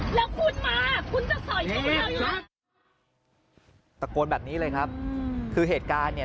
แล้วเมื่อกี้แลนด์มันอยู่ตรงเรา